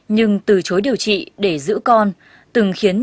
nhưng từ chối điều trị để giữ con